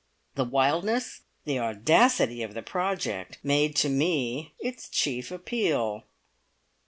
The wildness, the audacity of the project made to me its chief appeal.